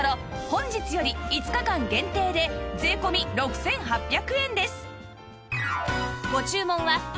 本日より５日間限定で税込６８００円です